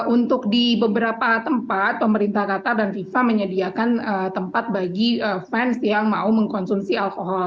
untuk di beberapa tempat pemerintah qatar dan fifa menyediakan tempat bagi fans yang mau mengkonsumsi alkohol